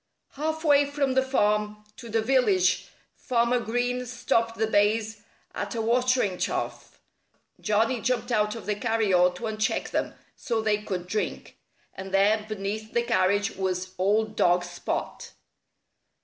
Half way from the farm to the village Farmer Green stopped the bays at a watering trough. Johnnie jumped out of the carryall to uncheck them, so they could drink. And there, beneath the carriage, was old dog Spot!